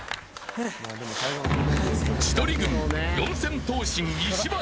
千鳥軍、四千頭身石橋。